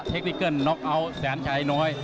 คนิเกิ้ลน็อกเอาท์แสนชัยน้อย